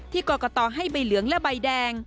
ที่กรอกต่อให้ใบเหลืองและใบแดง